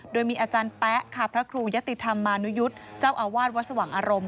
โดยมีอาจารย์แป๊ะค่ะพระครูยะติธรรมานุยุทธ์เจ้าอาวาสวัดสว่างอารมณ์